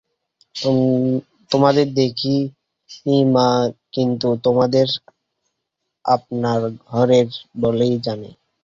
তোমাদের দেখি নি, মা, কিন্তু তোমাদের আপনার ঘরের বলেই জানি।